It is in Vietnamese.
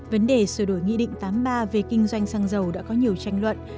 vấn đề sửa đổi nghị định tám ba về kinh doanh xăng dầu đã có nhiều tranh luận